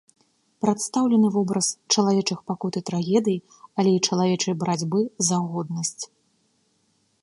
Прадстаўлены вобраз чалавечых пакут і трагедый, але і чалавечай барацьбы за годнасць.